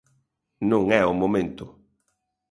Non é o momento.